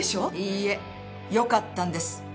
いいえよかったんです。